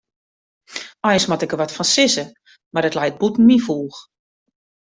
Eins moat ik der wat fan sizze, mar it leit bûten myn foech.